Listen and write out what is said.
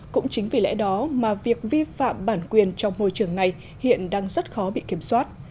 cũng chính vì lẽ đó mà việc vi phạm bản quyền trong môi trường này hiện đang rất khó bị kiểm soát